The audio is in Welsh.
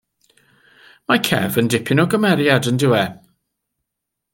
Mae Kev yn dipyn o gymeriad yn tydi.